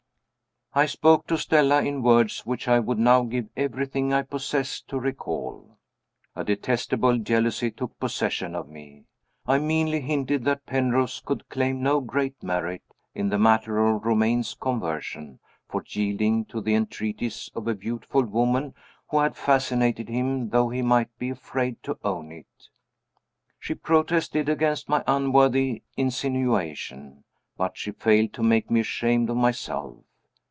I spoke to Stella, in words which I would now give everything I possess to recall. A detestable jealousy took possession of me. I meanly hinted that Penrose could claim no great merit (in the matter of Romayne's conversion) for yielding to the entreaties of a beautiful woman who had fascinated him, though he might be afraid to own it. She protested against my unworthy insinuation but she failed to make me ashamed of myself.